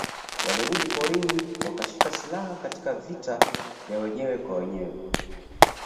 Walirudi porini wakashika silaha Katika vita vya wenyewe kwa wenyewe